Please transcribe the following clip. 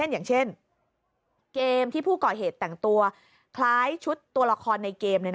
อย่างเช่นเกมที่ผู้ก่อเหตุแต่งตัวคล้ายชุดตัวละครในเกม